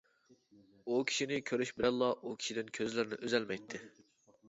ئۇ كىشىنى كۆرۈشى بىلەنلا ئۇ كىشىدىن كۆزلىرىنى ئۈزەلمەيتتى.